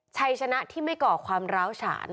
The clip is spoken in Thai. ชัยชนะที่ไม่ก่อความร้าวฉาน